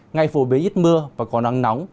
ngày phổ biến ít mưa và có nắng nóng